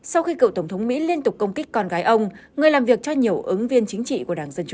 sau khi cựu tổng thống mỹ liên tục công kích con gái ông người làm việc cho nhiều ứng viên chính trị của đảng dân chủ